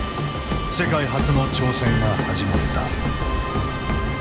世界初の挑戦が始まった。